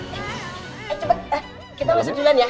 cepet kita masuk duluan ya